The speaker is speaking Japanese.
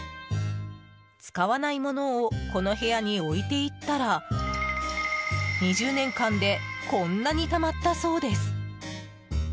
使わないものをこの部屋に置いていったら２０年間でこんなにたまったそうです。